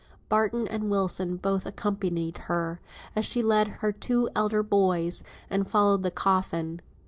Barton and Wilson both accompanied her, as she led her two elder boys, and followed the coffin.